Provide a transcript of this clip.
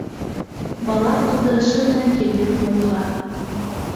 Бала ултырышы менән килде тыуымға!